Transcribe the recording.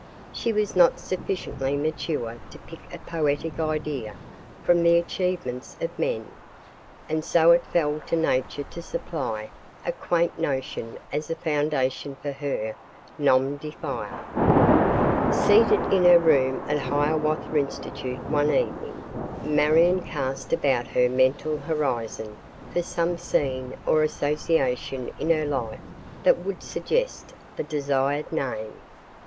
She was not sufficiently mature to pick a poetic idea from the achievements of men, and so it fell to nature to supply a quaint notion as a foundation for her "nom de fire." Seated in her room at Hiawatha Institute one evening, Marion cast about her mental horizon for some scene or association in her life that would suggest the desired name.